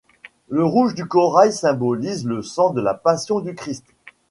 Le rouge du corail symbolise le sang de la Passion du Christ.